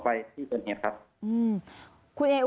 พอที่ตำรวจเขามาขอ